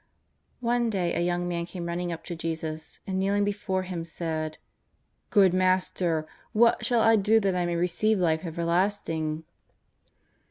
One day a young man came running up to Jesus, and, kneeling before Him, said: " Good Master, what shall I do that I may receive life everlasting